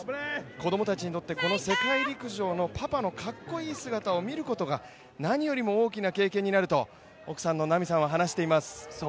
子供たちにとってこの世界陸上のパパのかっこいい姿を見ることが何よりも大きな経験になると奥さんの奈美さんは話します。